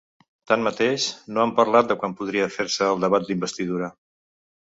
Tanmateix, no han parlat de quan podria fer-se el debat d’investidura.